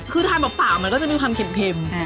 คือทานเปล่ามันก็จะมีความเค็ม